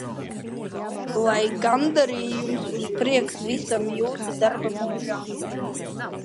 Lai gandarījums un prieks visam jūsu darba mūžam!